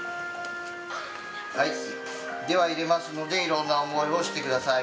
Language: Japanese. では、入れますので、いろんな思いをしてください。